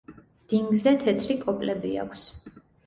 დინგზე თეთრი კოპლები აქვს.